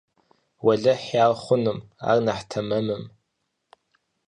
Уэлэхьи ар хъуным, ар нэхъ тэмэмым.